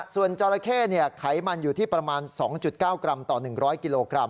ส่วนจราเข้ไขมันอยู่ที่ประมาณ๒๙กรัมต่อ๑๐๐กิโลกรัม